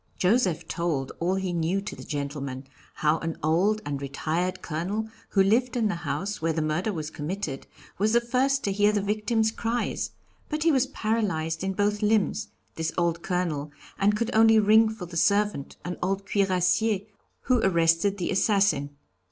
Joseph told all he knew to the gentleman how an old and retired Colonel, who lived in the house where the murder was committed, was the first to hear the victim's cries; but he was paralyzed in both limbs, this old Colonel, and could only ring for the servant, an old cuirassier, who arrested the assassin.